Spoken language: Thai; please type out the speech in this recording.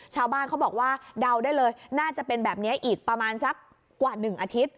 ชาวบ้านเขาบอกว่าเดาได้เลยน่าจะเป็นแบบนี้อีกประมาณสักกว่า๑อาทิตย์